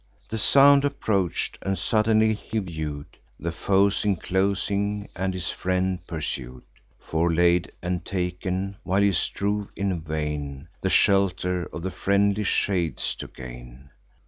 The sound approach'd; and suddenly he view'd The foes inclosing, and his friend pursued, Forelaid and taken, while he strove in vain The shelter of the friendly shades to gain.